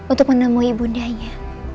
untuk menemui ibu ndanya